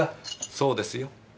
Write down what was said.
そうですよ。